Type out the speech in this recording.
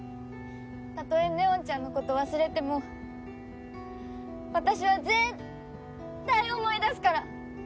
たとえ祢音ちゃんのこと忘れても私は絶対思い出すから！